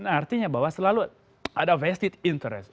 artinya bahwa selalu ada vested interest